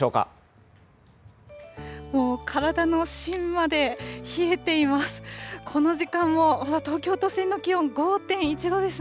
もう体の芯まで冷えています。